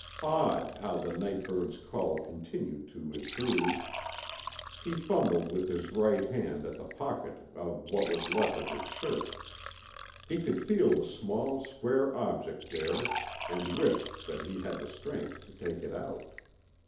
Odd, how the night bird's call continued to intrude. He fumbled with his right hand at the pocket of what was left of his shirt. He could feel the small square object there, and wished that he had the strength to take it out.